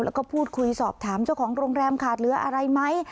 แล้วก็พูดคุยสอบถามเจ้าของโรงแรมขาดเหลืออะไรไหม